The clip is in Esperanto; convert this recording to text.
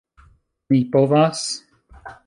Mi povas?